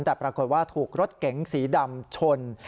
แต่ปรากฏว่าถูกรถเก๋งสีดำชน